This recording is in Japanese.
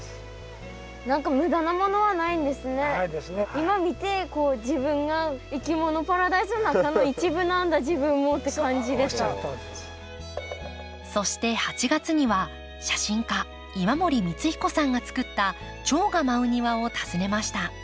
今見てそして８月には写真家今森光彦さんが作ったチョウが舞う庭を訪ねました。